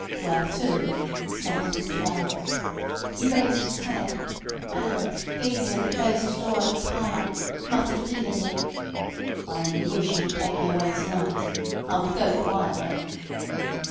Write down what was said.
"Where to?" snarled Mr Verloc. He raised his head, and gazing at the closed door of the parlour, muttered feelingly: "I only wish you would take me away to night. I would go quietly."